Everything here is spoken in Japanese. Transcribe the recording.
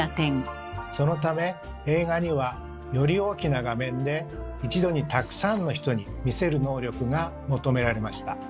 そのため映画にはより大きな画面で一度にたくさんの人に見せる能力が求められました。